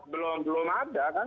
belum ada kan